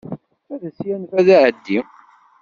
Ad as-yanef ad tɛeddi.